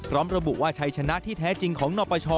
พร้อมระบุว่าชัยชนะที่แท้จริงของนปช